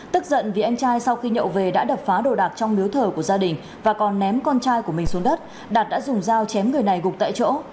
tức giận vì anh trai sau khi nhậu về đã đập phá đồ đạc trong miếu thờ của gia đình và còn ném con trai của mình xuống đất đạt đã dùng dao chém người này gục tại chỗ